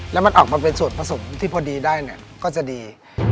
แล้วมันออกมาเป็นส่วนผสมที่พอดีได้เนี่ยก็จะดี